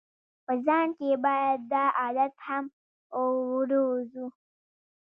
په ځان کې باید دا عادت هم وروزو.